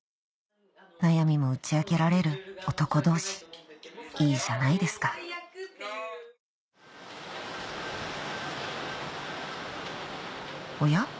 悩みも打ち明けられる男同士いいじゃないですかおや？